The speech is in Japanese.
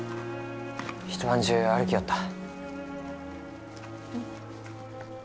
一晩中歩きよった。